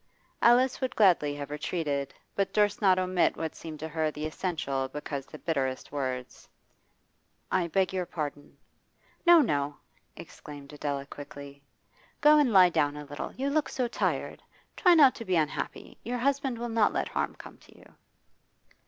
Alice would gladly have retreated, but durst not omit what seemed to her the essential because the bitterest words. 'I beg your pardon.' 'No, no!' exclaimed Adela quickly. 'Go and lie down a little; you look so tired. Try not to be unhappy, your husband will not let harm come to you.